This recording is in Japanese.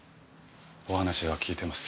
お話は聞いてます。